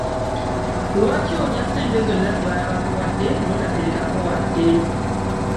Lwaki olya ssente zonna ze baba bakuwadde n'otaterekako wadde.